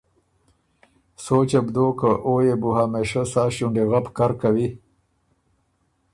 سوچه بُو دوک که او يې بُو همېشۀ سا ݭُونډیغپ کر کوی۔